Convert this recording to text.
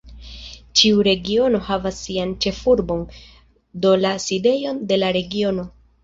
Ĉiu regiono havas sian "ĉefurbon", do la sidejon de la regiono.